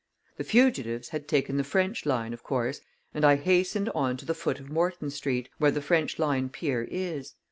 The fugitives had taken the French line, of course, and I hastened on to the foot of Morton Street, where the French line pier is.